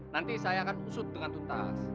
nanti saya akan usut dengan tuntas